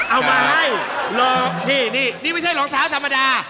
เอามาให้รอพี่นี่นี่ไม่ใช่รองเท้าธรรมดา